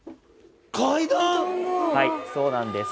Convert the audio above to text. はいそうなんです。